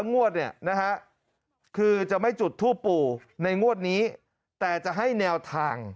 งวดเนี่ยนะฮะคือจะไม่จุดทูปปู่ในงวดนี้แต่จะให้แนวทาง